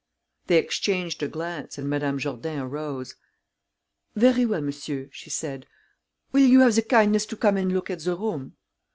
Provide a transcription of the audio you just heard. They exchanged a glance, and Madame Jourdain arose. "Very well, monsieur," she said. "Will you have the kindness to come and look at the room?"